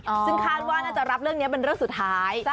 ซึ่งคาดว่าน่าจะรับเรื่องนี้เป็นเรื่องสุดท้าย